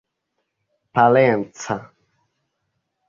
parenca